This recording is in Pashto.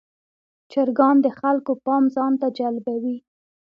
چرګان د خلکو پام ځان ته جلبوي.